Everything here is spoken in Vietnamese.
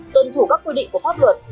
tuân thủ các quy định của pháp luật